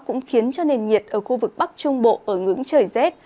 cũng khiến cho nền nhiệt ở khu vực bắc trung bộ ở ngưỡng trời rét